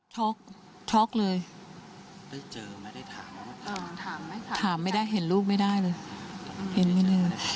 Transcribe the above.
ทอคทอคเลยถามไม่ได้เห็นลูกไม่ได้เลย